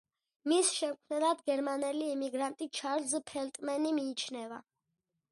მის შემქმნელად გერმანელი იმიგრანტი, ჩარლზ ფელტმენი მიიჩნევა.